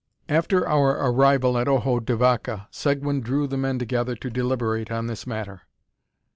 After our arrival at Ojo de Vaca, Seguin drew the men together to deliberate on this matter.